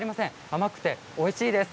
甘くておいしいです。